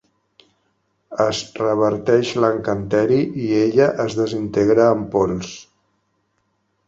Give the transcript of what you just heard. Es reverteix l'encanteri i ella es desintegra en pols.